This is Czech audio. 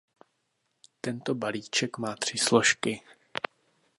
Tento balíček má tři složky.